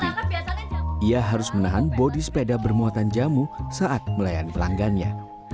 ia harus menahan bodi sepeda bermuatan jamu saat melayani pelanggannya